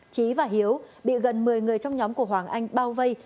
trí và hiếu bị gần một mươi người trong nhóm của hoàng anh bao vây